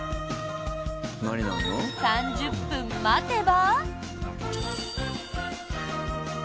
３０分待てば。